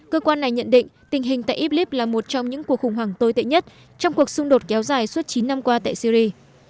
cơ quan này nhận định tình hình tại iblis là một trong những cuộc khủng hoảng tồi tệ nhất trong cuộc xung đột kéo dài suốt chín năm qua tại syri